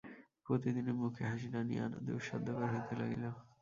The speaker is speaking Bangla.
প্রতিদিনই মুখে হাসি টানিয়া আনা দুঃসাধ্যকর হইতে লাগিল।